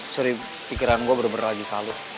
suri pikiran gue bener bener lagi kaluh